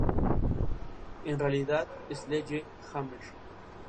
En realidad, "Sledge Hammer!